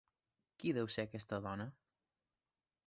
¿Qui deu ser aquesta dona?